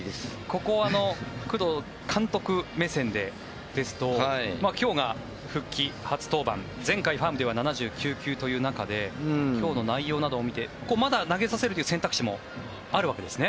ここは工藤監督目線でですと今日が復帰初登板前回、ファームでは７９球という中で今日の内容などを見てまだ投げさせるという選択肢もあるわけですね。